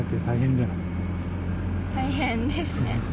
大変ですね。